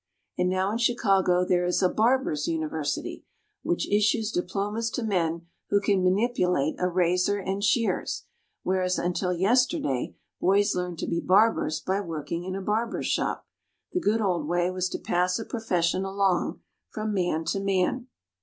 And now in Chicago there is a "Barbers' University," which issues diplomas to men who can manipulate a razor and shears, whereas, until yesterday, boys learned to be barbers by working in a barber's shop. The good old way was to pass a profession along from man to man.